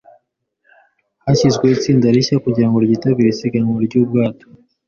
Hashyizweho itsinda rishya kugirango ryitabire isiganwa ryubwato.